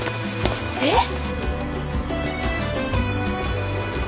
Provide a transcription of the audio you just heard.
えっ！？